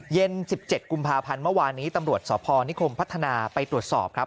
เย็น๑๗กุมภาพันธ์เมื่อวานนี้ตำรวจสพนิคมพัฒนาไปตรวจสอบครับ